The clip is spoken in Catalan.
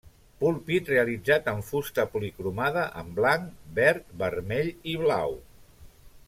Púlpit realitzat en fusta policromada en blanc, verd, vermell i blau.